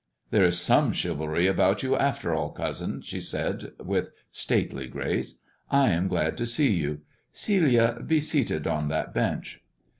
"There is some chivalry about you, after all, cousin," she said, with stately grace. "I am glad to see you. Celia, be seated on that bench."